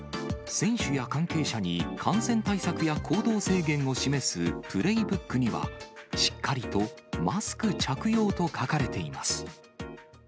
選手や関係者に感染対策や行動制限を示すプレイブックには、しっかりとマスク着用と書かれています。